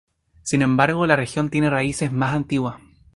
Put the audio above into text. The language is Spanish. Sin embargo, la región tiene raíces más antiguas.